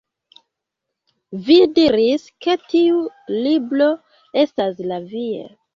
Vi diris ke tiu libro estas la via